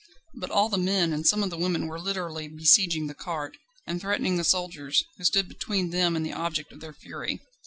But all the men and some of the women were literally besieging the cart, and threatening the soldiers, who stood between them and the object of their fury.